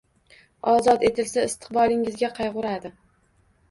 Ozod etilsa, istiqbolingizga qayg’uradi.